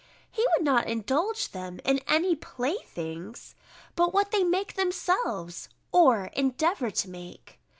He would not indulge them in any playthings, but what they make themselves, or endeavour to make.